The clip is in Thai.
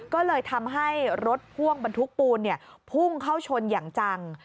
ก็เลยทำให้รถพ่วงบรรทุกปูนพุ่งเข้าชนอย่างจัง